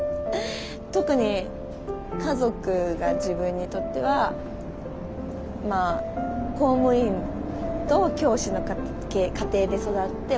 特に家族が自分にとってはまあ公務員と教師の家庭で育って。